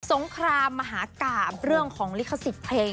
งครามมหากราบเรื่องของลิขสิทธิ์เพลง